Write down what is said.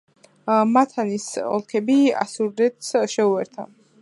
მითანის ოლქები ასურეთს შეუერთა.